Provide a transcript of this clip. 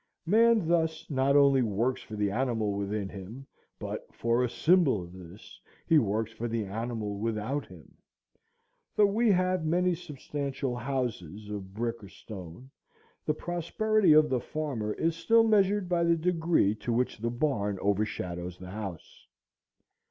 Man thus not only works for the animal within him, but, for a symbol of this, he works for the animal without him. Though we have many substantial houses of brick or stone, the prosperity of the farmer is still measured by the degree to which the barn overshadows the house.